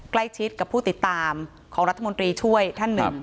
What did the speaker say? ใกล้ชิดกับผู้ติดตามของรัฐมนตรีช่วยท่านหนึ่ง